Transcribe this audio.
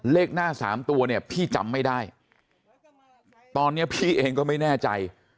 เลขหน้าสามตัวเนี่ยพี่จำไม่ได้ตอนนี้พี่เองก็ไม่แน่ใจ